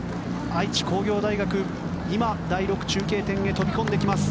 愛知工業大学、今第６中継点へ飛び込んできます。